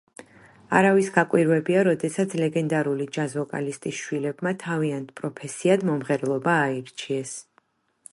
არავის გაკვირვებია როდესაც ლეგენდარული ჯაზ ვოკალისტის შვილებმა თავიანთ პროფესიად მომღერლობა აირჩიეს.